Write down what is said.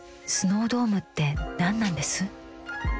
スノードームって何なんです？